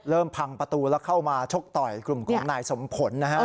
พังประตูแล้วเข้ามาชกต่อยกลุ่มของนายสมผลนะฮะ